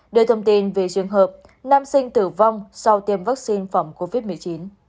đưa thông tin về trường hợp nam sinh tử vong sau tiêm vaccine phòng covid một mươi chín